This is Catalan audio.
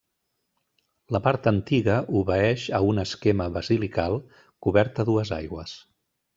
La part antiga obeeix a un esquema basilical, cobert a dues aigües.